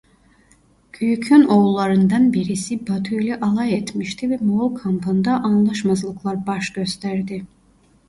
Güyük'ün oğullarından birisi Batu ile alay etmişti ve Moğol kampında anlaşmazlıklar baş gösterdi.